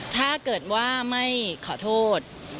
ถ้าเกิดว่าไม่ขอโทษ